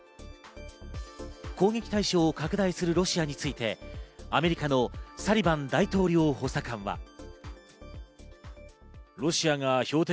攻撃対象を拡大するロシアについてアメリカのサリバン大統領補佐官は。